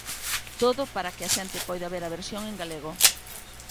Todo para que a xente poida ver a versión en galego.